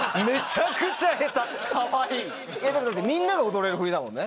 ・かわいい・だってみんなが踊れる振りだもんね。